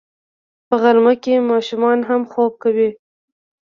په غرمه کې ماشومان هم خوب کوي